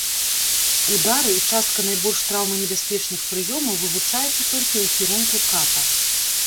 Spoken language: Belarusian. Удары і частка найбольш траўманебяспечных прыёмаў вывучаюцца толькі ў кірунку ката.